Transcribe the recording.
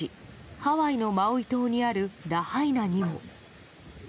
ハワイのマウイ島にあるラハイナにも。